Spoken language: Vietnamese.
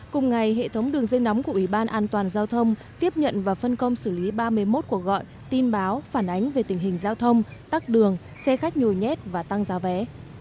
cùng ngày hệ thống đường dây nóng của ủy ban an toàn giao thông tiếp nhận và phân công xử lý ba mươi một cuộc gọi tin báo phản ánh về tình hình giao thông tắt đường xe khách nhồi nhét và tăng giá vé